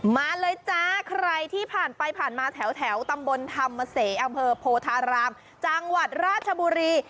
มาเลยจ้าใครที่ผ่านไปผ่านมาแถวตำบลธรรมเสอำเภอโพธารามจังหวัดราชบุรี